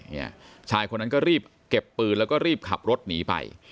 ชายคนนั้นก็รีบเก็บปืนแล้วก็รีบขับรถหนีไป